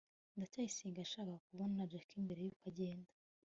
ndacyayisenga yashakaga kubona jaki mbere yuko agenda